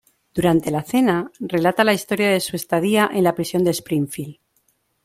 Durante la cena, relata la historia de su estadía en la Prisión de Springfield.